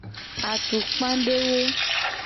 Atukpadewo.